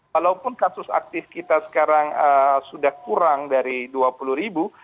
walaupun kasus aktif kita sekarang sudah kurang dari dua puluh ribu